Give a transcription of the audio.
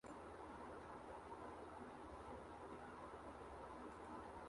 تو حالات میں کریں۔